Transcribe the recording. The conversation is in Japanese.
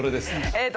えっと。